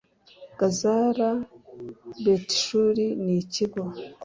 gazara, betishuri n'ikigo